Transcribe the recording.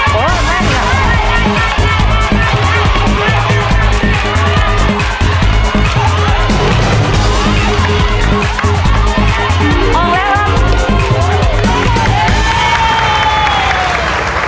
กรี่อัลติมันได้